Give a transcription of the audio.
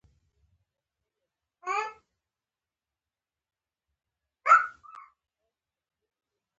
افغانستان د وحشي حیواناتو په اړه مشهور تاریخی روایتونه لري.